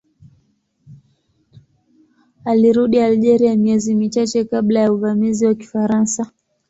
Alirudi Algeria miezi michache kabla ya uvamizi wa Kifaransa.